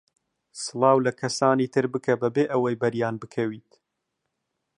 سڵاو لە کەسانی تر بکە بەبێ ئەوەی بەریان بکەویت.